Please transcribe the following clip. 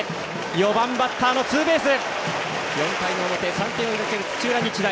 ４番バッターのツーベース！４回の表、３点を追う土浦日大。